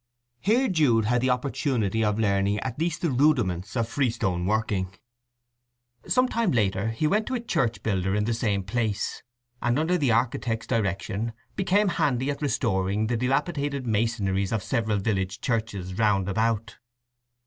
Here Jude had the opportunity of learning at least the rudiments of freestone working. Some time later he went to a church builder in the same place, and under the architect's direction became handy at restoring the dilapidated masonries of several village churches round about.